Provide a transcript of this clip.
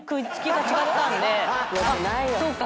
そうか。